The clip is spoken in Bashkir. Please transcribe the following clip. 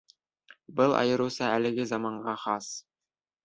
Был айырыуса әлеге заманға хас.